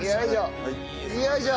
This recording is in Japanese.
よいしょ。